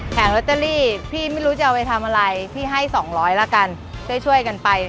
ลอตเตอรี่พี่ไม่รู้จะเอาไปทำอะไรพี่ให้๒๐๐ละกันช่วยกันไป